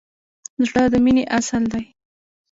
زړه د مینې اصل دی.